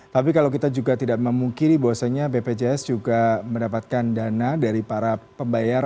tapi kalau kita juga tidak memungkiri bahwasanya bpjs juga mendapatkan dana dari para pembayar